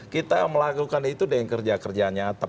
kita melakukan itu dengan kerja kerja nyata